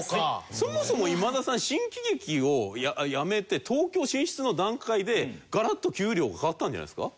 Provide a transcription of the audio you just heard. そもそも今田さん新喜劇をやめて東京進出の段階でガラッと給料が変わったんじゃないですか？